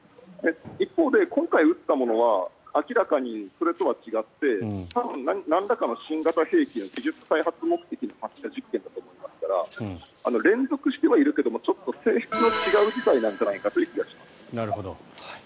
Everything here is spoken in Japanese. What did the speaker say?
一方で、今回撃ったものは明らかにそれとは違って多分なんらかの新型兵器の技術開発目的の発射実験だと思いますので連続してはいるけど違う事態なんじゃないかという気がします。